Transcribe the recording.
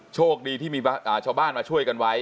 โชคดีที่มีชาวบ้านมาช่วยกันไว้